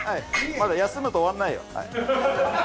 休むと終わんないよ。